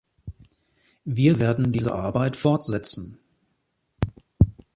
Wir werden diese Arbeit fortsetzen.